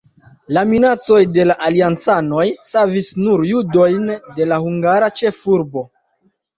La minacoj de la aliancanoj savis nur judojn de la hungara ĉefurbo.